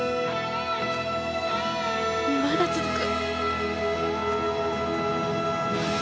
まだ続く。